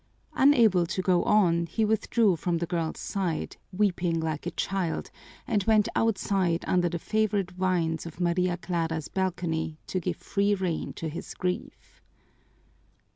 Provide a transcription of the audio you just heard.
Unable to go on, he withdrew from the girl's side, weeping like a child, and went outside under the favorite vines of Maria Clara's balcony to give free rein to his grief.